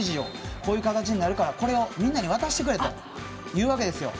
こういう形になるからこれをみんなに渡してくれと。